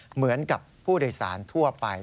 เหมือนกับผู้โดยสารทั่วไป